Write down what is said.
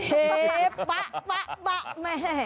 เชฟปะปะปะแม่